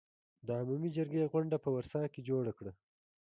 د عمومي جرګې غونډه په ورسا کې جوړه کړه.